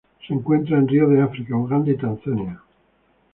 Se encuentran en ríos de África: Uganda y Tanzania.